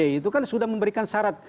itu kan sudah memberikan syarat